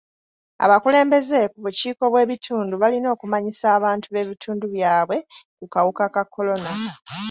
Abakulembeze ku bukiiko bw'ebitundu balina okumanyisa abantu b'ebitundu byabwe ku kawuka ka kolona.